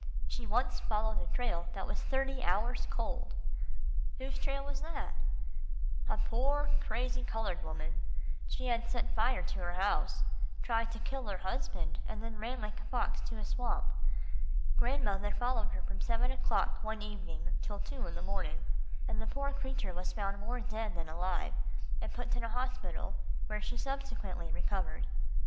She once followed a trail that was thirty hours cold." "Whose trail was that?" "A poor, crazy, coloured woman. She had set fire to her house, tried to kill her husband, and then ran like a fox to a swamp. Grandmother followed her from seven o'clock one evening till two the next morning, and the poor creature was found more dead than alive, and put in a hospital where she subsequently recovered."